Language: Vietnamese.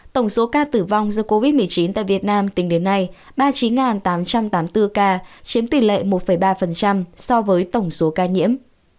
tổng số ca tử vong do covid một mươi chín tại việt nam tính đến nay ba mươi chín tám trăm tám mươi bốn ca chiếm tỷ lệ một ba so với tổng số ca nhiễm